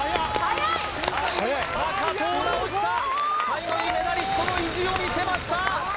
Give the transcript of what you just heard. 最後にメダリストの意地を見せました